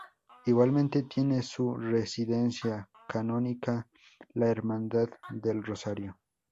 Igualmente, tiene su residencia canónica la Hermandad del Rosario.